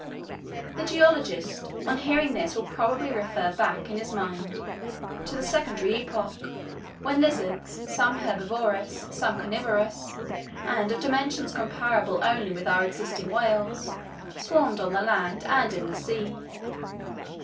The geologist on hearing this will probably refer back in his mind to the Secondary epochs, when lizards, some herbivorous, some carnivorous, and of dimensions comparable only with our existing whales, swarmed on the land and in the sea.